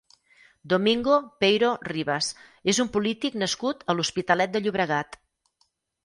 Domingo Peiro Rivas és un polític nascut a l'Hospitalet de Llobregat.